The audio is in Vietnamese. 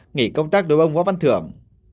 nghỉ công tác đối với ông võ văn thưởng